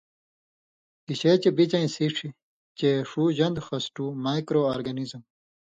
گِشے چے بِڅَیں سیڇھ چے ݜُو ژن٘د خسٹُو(Microorganism)